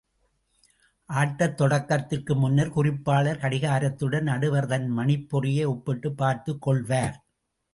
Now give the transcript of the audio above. ஆட்டத் தொடக்கத்திற்கு முன்னர் குறிப்பாளர் கடிகாரத்துடன், நடுவர் தன் மணிப்பொறியை ஒப்பிட்டுப் பார்த்துக் கொள்வார்.